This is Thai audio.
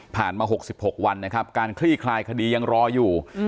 มา๖๖วันนะครับการคลี่คลายคดียังรออยู่